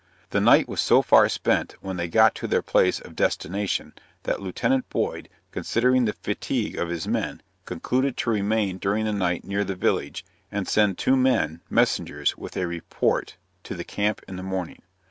The night was so far spent when they got to their place of destination, that Lieutenant Boyd, considering the fatigue of his men, concluded to remain during the night near the village, and to send two men messengers with a report to the camp in the morning.